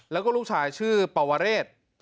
แล้วก็ลูกชายชื่อปวเรศ